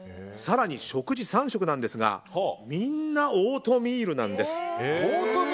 更に、食事３食なんですがみんなオートミールなんです。